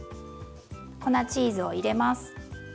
粉チーズを入れます。